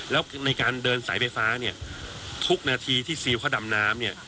แล้วในการเดินสายไฟฟ้าเนี่ยทุกนาทีที่ซิลเขาดำน้ำเนี่ย